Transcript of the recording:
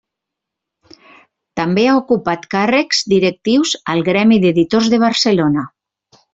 També ha ocupat càrrecs directius al Gremi d'Editors de Barcelona.